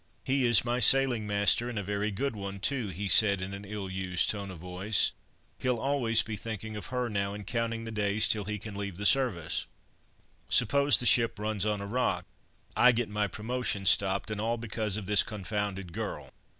"He is my sailing master, and a very good one, too," he said, in an ill used tone of voice. "He'll always be thinking of her now, and counting the days till he can leave the service. Suppose the ship runs on a rock, I get my promotion stopped, and all because of this confounded girl."